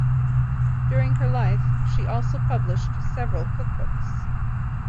During her life she also published several cookbooks.